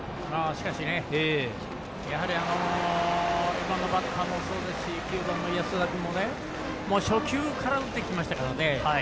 今のバッターもそうですし９番の安田君も初球から打ってきましたからね。